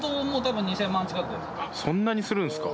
そんなにするんですか。